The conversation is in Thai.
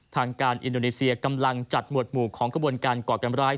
ทางการอินโดนีเซียกำลังจัดหมวดหมู่ของกระบวนการก่อการร้าย